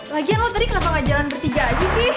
lagian lo tadi kenapa gak jalan bertiga aja sih